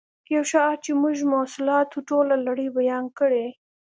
یو شعار چې زموږ د محصولاتو ټوله لړۍ بیان کړي